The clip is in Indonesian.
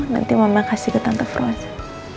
nanti mama kasih ke tante frozen